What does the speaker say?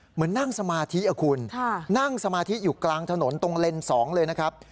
เหมือนนั่งสมาธิคุณนั่งสมาธิอยู่กลางถนนตรงเลนส์๒เลยนะครับ